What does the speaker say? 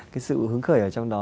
cái sự hướng khởi ở trong đó